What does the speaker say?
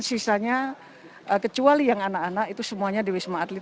sisanya kecuali yang anak anak itu semuanya di wisma atlet